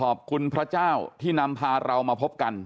พระเจ้าที่นำพาเรามาพบกัน